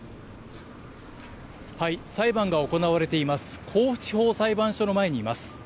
はい、裁判が行われています甲府地方裁判所の前にいます。